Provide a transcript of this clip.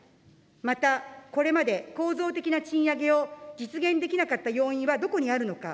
また、これまで構造的な賃上げを実現できなかった要因はどこにあるのか。